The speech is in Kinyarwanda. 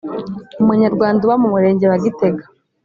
umunyarwanda uba mu Murenge wa Gitega